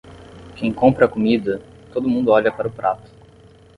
Quem compra a comida, todo mundo olha para o prato.